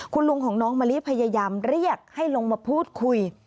คุณลุงของน้องมะลิพยายามเรียกให้ลงมาพูดคุย